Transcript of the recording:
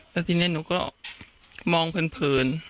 แล้วทีนี้หนูก็มองเผิน